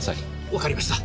わかりました！